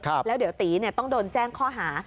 แล้วเดี๋ยวตีเนี่ยต้องโดนแจ้งข้อหา